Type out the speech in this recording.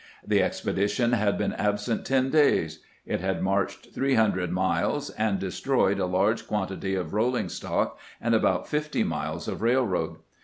The expedition had been absent ten days. It had marched three hundred miles, and destroyed a large quantity of rolling stock and about fifty miles of railroad.